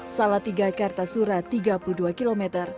salatiga kartasura tiga puluh dua km